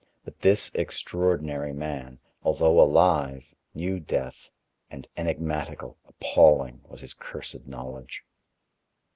But this extraordinary man, although alive, knew Death, and enigmatical, appalling, was his cursed knowledge.